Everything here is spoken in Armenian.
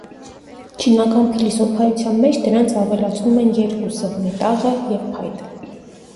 Չինական փիլիսոփայության մեջ դրանց ավելացվում են երկուսը՝ մետաղը և փայտը։